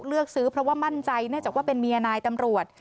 เลือกซื้อเพราะว่ามั่นใจเนื่องจากว่าเป็นเมียนายตำรวจ